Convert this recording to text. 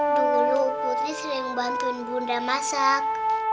dulu putri sering bantuin bunda masak